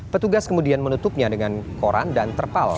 petugas kemudian menutupnya dengan koran dan terpal